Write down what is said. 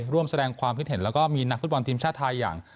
ร่วมแสดงความคิดเห็นแล้วก็มีนักฟุตบอลทีมชาติไทยอย่าง